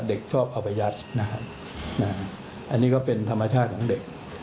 เด็กชอบเอาไปยัดนะครับอันนี้ก็เป็นธรรมชาติของเด็ก